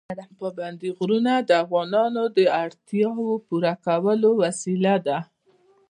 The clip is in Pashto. پابندی غرونه د افغانانو د اړتیاوو د پوره کولو وسیله ده.